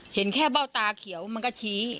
เห็นแค่เบ้าตาเขียวมันก็ชี้